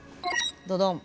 ドドン。